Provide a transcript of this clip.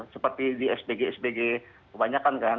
seperti di sbg sbg kebanyakan kan